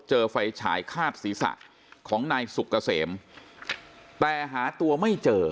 ไฟฉายคาดศีรษะของนายสุกเกษมแต่หาตัวไม่เจอ